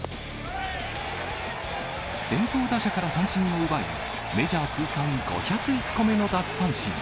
先頭打者から三振を奪い、メジャー通算５０１個目の奪三振。